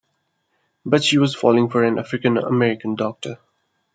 But she was falling for an African-American doctor.